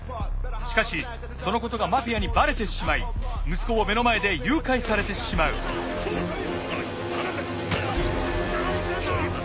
しかしそのことがマフィアにバレてしまい息子を目の前で誘拐されてしまうおい放せ！